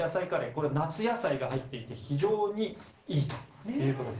これ、夏野菜が入っていて非常にいいということです。